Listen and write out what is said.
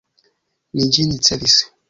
Mi ĝin ricevis.